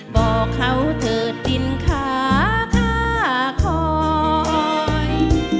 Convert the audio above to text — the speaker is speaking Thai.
บอกเขาเถิดดินขาผ้าคอย